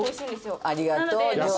ありがとう。